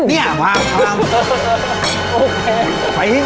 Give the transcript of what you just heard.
เนี่ยภาพฟ้าง